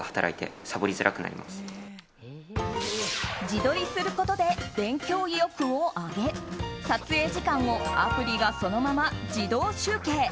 自撮りすることで勉強意欲を上げ撮影時間をアプリがそのまま自動集計。